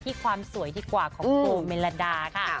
ความสวยดีกว่าของปู่เมลดาค่ะ